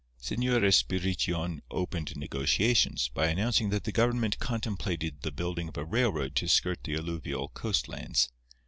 Señor Espirition opened negotiations by announcing that the government contemplated the building of a railroad to skirt the alluvial coast lands.